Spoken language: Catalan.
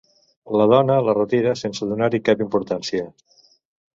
La dona la retira sense donar-hi cap importància.